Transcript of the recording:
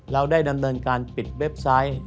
เราได้ดำเนินการปิดเว็บไซต์